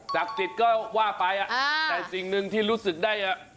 ศักดิ์สิทธิ์ก็ว่าไปแต่สิ่งหนึ่งที่รู้สึกได้